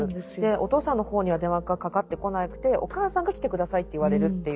お父さんの方には電話がかかってこなくてお母さんが来て下さいって言われるっていう。